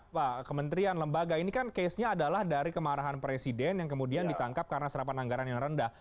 pak kementerian lembaga ini kan case nya adalah dari kemarahan presiden yang kemudian ditangkap karena serapan anggaran yang rendah